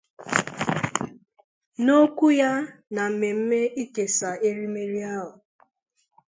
N'okwu ya na mmemme ikesà erimeri ahụ